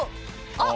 あっ！